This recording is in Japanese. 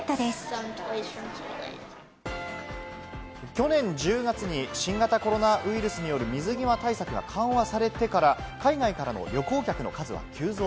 去年１０月に新型コロナウイルスによる水際対策が緩和されてから、海外からの旅行客の数が急増。